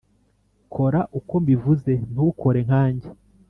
kora uko mbivuze, ntukore nkanjye